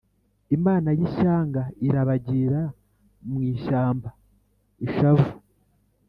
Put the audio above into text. Imana y'ishyanga irabagira mu ishyamba-Ishavu.